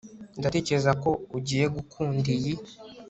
ndatekereza ko ugiye gukunda iyi